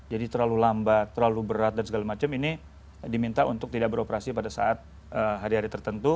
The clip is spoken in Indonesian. jadi terlalu lambat terlalu berat dan segala macam ini diminta untuk tidak beroperasi pada saat hari hari tertentu